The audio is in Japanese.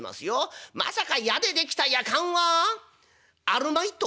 まさか矢で出来たやかんはアルマイト？」。